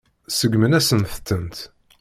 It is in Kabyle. Seggmen-asent-tent.